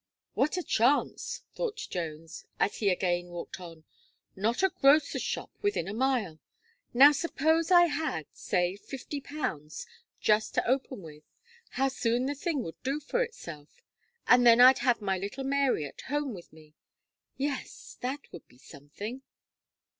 "What a chance!" thought Jones, as he again walked on; "not a grocer's shop within a mile. Now, suppose I had, say fifty pounds, just to open with, how soon the thing would do for itself. And then I'd have my little Mary at home with me. Yes, that would be something!"